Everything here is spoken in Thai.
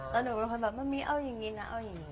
แล้วหนูเป็นคนแบบแม่มีเอายังงี้นะเอายังงี้